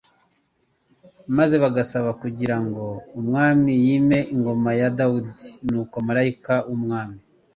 maze bagasaba kugira ngo Umwami yime ingoma ya Dawidi "Nuko Malayika w'Umwami